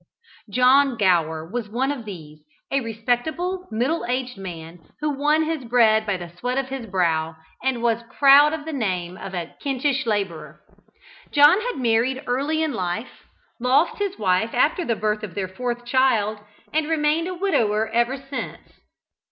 John Gower was one of these, a respectable middle aged man, who won his bread by the sweat of his brow, and was proud of the name of a Kentish labourer. John had married early in life, lost his wife after the birth of their fourth child, and remained a widower ever since.